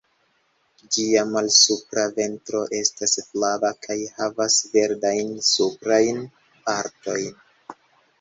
Ĝia malsupra ventro estas flava kaj havas verdajn suprajn partojn.